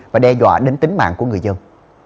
và đe dọa đến tính mạng của người dân